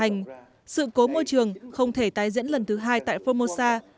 tuy nhiên sự cố môi trường không thể tái diễn lần thứ hai tại phongmosa